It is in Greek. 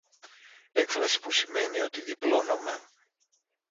έκφραση που σημαίνει ότι διπλώνομαι